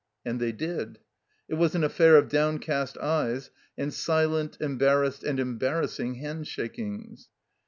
And they did. It was an affair of downcast eyes and silent, embarrassed and embarrassing hand shakings.